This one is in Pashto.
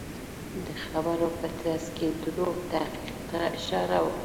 د خبرو په ترڅ کې دروغ تحقیق ته اشاره وکړه.